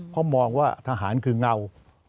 เพราะมองว่าทหารคือเงา